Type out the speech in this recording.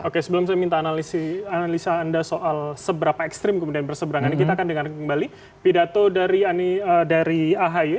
oke sebelum saya minta analisa anda soal seberapa ekstrim kemudian berseberangan ini kita akan dengar kembali pidato dari ahy